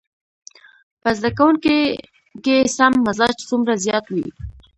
په زده کوونکي کې سم مزاج څومره زيات وي.